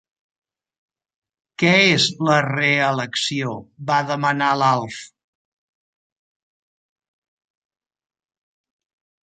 Què és la reelecció? —va demanar l'Alf.